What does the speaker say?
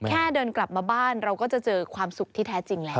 แค่เดินกลับมาบ้านเราก็จะเจอความสุขที่แท้จริงแล้ว